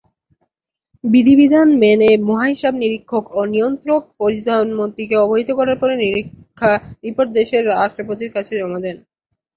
বিধি বিধান মেনে মহা হিসাব নিরীক্ষক ও নিয়ন্ত্রক প্রধানমন্ত্রীকে অবহিত করার পরে নিরীক্ষা রিপোর্ট দেশের রাষ্ট্রপতির কাছে জমা দেন।